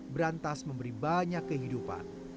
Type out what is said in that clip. berantas memberi banyak kehidupan